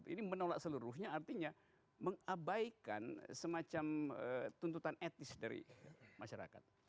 ini menolak seluruhnya artinya mengabaikan semacam tuntutan etis dari masyarakat